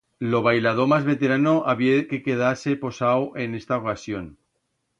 Lo bailador mas veterano habié que quedar-se posau en esta ocasión.